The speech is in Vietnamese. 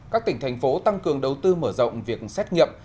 các tỉnh thành phố tăng cường đầu tư mở rộng việc xét nghiệm